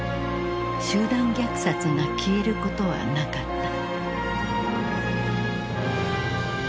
集団虐殺が消えることはなかった。